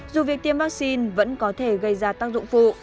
dù việc tiêm vaccine vẫn có thể gây ra tác dụng phụ